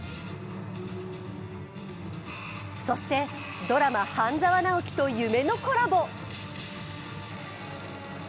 そしてドラマ「半沢直樹」と夢のコラボ。